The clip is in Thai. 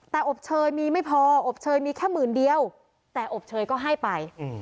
แต่อบเชยมีไม่พออบเชยมีแค่หมื่นเดียวแต่อบเชยก็ให้ไป